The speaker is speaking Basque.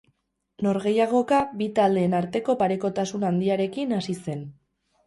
Norgehiagoka bi taldeen arteko parekotasun handiarekin hasi zen.